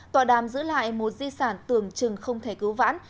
tọa đàm giữ lại một di sản tưởng chừng không thể cứu vãn